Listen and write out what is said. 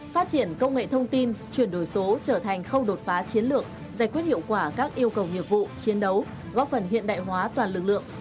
phát triển công nghệ thông tin chuyển đổi số trở thành khâu đột phá chiến lược giải quyết hiệu quả các yêu cầu nhiệm vụ chiến đấu góp phần hiện đại hóa toàn lực lượng